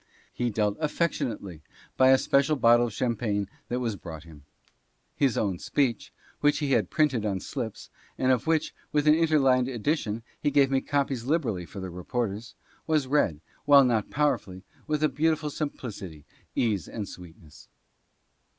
He dealt affectionately by a special bottle of champagne that was brought him. His own speech (which he had had printed on slips, and of which, with an inter lined addition, he gave me copies liberally for the reporters) was read, while not powerfully, with a beautiful simplicity, ease and sweetness.